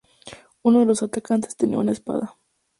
Uno de los atacantes tenía una espada.